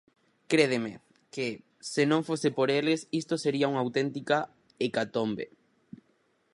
Crédeme que, se non fose por eles, isto sería unha auténtica hecatombe.